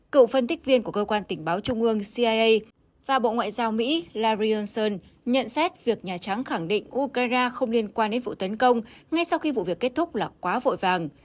cựu phân tích viên của cơ quan tình báo trung ương cia và bộ ngoại giao mỹ layson nhận xét việc nhà trắng khẳng định ukraine không liên quan đến vụ tấn công ngay sau khi vụ việc kết thúc là quá vội vàng